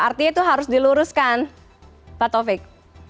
artinya itu harus diluruskan pak taufik